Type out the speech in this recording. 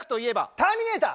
「ターミネーター」。